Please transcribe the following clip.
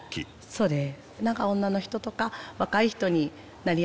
そうです。